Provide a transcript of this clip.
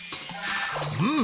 うん。